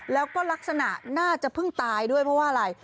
แล้วก็ลักษณะน่าจะเพิ่งตายด้วยเพราะว่าอะไร